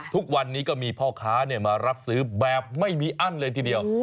ทุกวันนี้ก็มีพ่อค้ามารับซื้อแบบไม่มีอั้นเลยทีเดียว